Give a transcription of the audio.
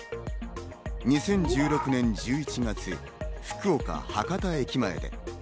２０１６年１１月、福岡・博多駅前で。